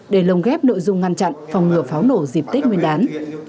để lồng ghép nội dung ngăn chặn phòng ngừa pháo nổ dịp tết nguyên đán